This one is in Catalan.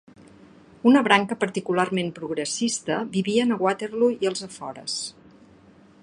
Una branca particularment progressista vivien a Waterloo i als afores.